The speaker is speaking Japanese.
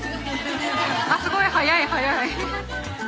あっすごい速い速い！